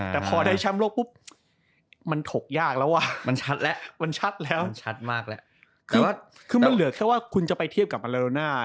แต่พอได้แชมป์รกมันถกยากแล้วลูก